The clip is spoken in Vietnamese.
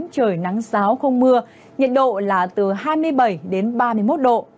trời nắng sáo không mưa nhiệt độ là từ hai mươi bảy ba mươi một độ